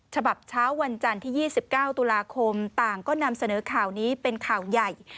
ฉบับเช้าวันจันทร์ที่๒๙ตุลาคมต่างก็นำเสนอข่าวนี้เป็นข่าวใหญ่